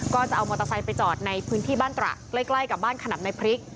ก็จะเอามอเตอร์ไซค์ไปจอดในพื้นที่บ้านตระใกล้กับบ้านขนำในพริก